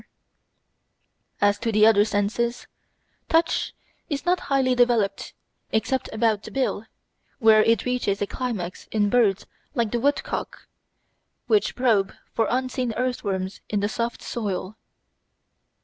] As to the other senses, touch is not highly developed except about the bill, where it reaches a climax in birds like the wood cock, which probe for unseen earthworms in the soft soil.